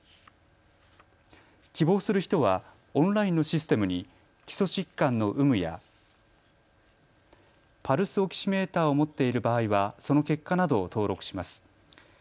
希望する人はオンラインのシステムに基礎疾患の有無やパルスオキシメーターを持っている場合はその結果などを登録します。